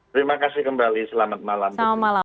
terima kasih kembali selamat malam